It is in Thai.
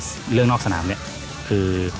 เรื่องนอกสนามเนี่ยคือ